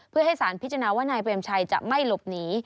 เพื่อให้สารพิจารณาว่านายเปรมชัยจะไม่หลบหนี